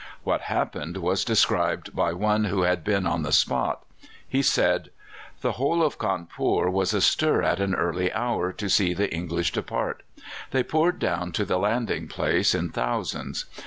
What happened was described by one who had been on the spot. He said: "The whole of Cawnpore was astir at an early hour to see the English depart. They poured down to the landing place in thousands.